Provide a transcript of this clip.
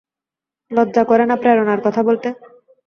লজ্জা করে না প্রেরণার কথা বলতে?